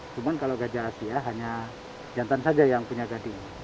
cuma kalau gajah asia hanya jantan saja yang punya gading